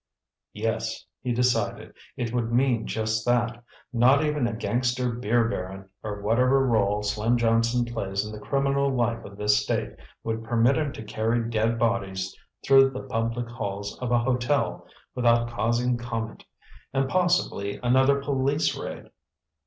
"Yes," he decided. "It would mean just that. Not even a gangster beer baron, or whatever role Slim Johnson plays in the criminal life of this state would permit him to carry dead bodies through the public halls of a hotel without causing comment! And possibly another police raid....